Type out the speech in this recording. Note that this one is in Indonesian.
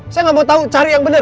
saya gak mau tahu cari yang bener